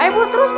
ayo ibu terus ibu